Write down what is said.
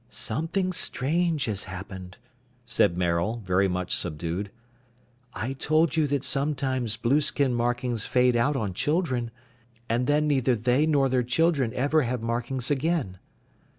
"Something strange has happened," said Maril, very much subdued. "I told you that sometimes blueskin markings fade out on children, and then neither they nor their children ever have markings again."